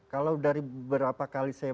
kalau dari berapa kali saya